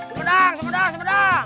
sempedang sempedang sempedang